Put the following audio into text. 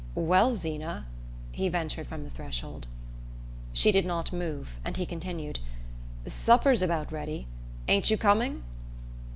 "Well, Zeena," he ventured from the threshold. She did not move, and he continued: "Supper's about ready. Ain't you coming?"